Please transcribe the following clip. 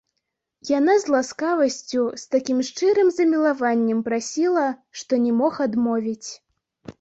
Яна з ласкавасцю, з такім шчырым замілаваннем прасіла, што не мог адмовіць.